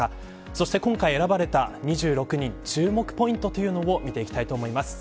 そして、今回選ばれた２６人注目ポイントを見ていきます。